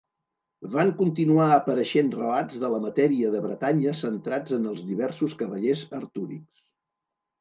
Van continuar apareixent relats de la matèria de Bretanya centrats en els diversos cavallers artúrics.